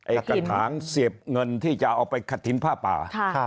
กระถางเสียบเงินที่จะเอาไปขัดทินผ้าป่า